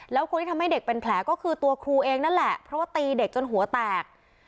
แล้วคนที่ทำให้เด็กเป็นแผลก็คือตัวครูเองนั่นแหละเพราะว่าตีเด็กจนหัวแตก